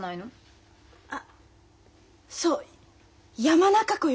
あっそう山中湖よ。